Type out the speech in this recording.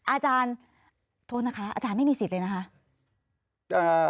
อาจารย์โทษนะคะอาจารย์ไม่มีสิทธิ์เลยนะคะ